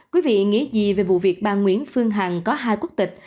quý vị nghĩ gì về vụ việc bà nguyễn phương hằng có hai quốc tịch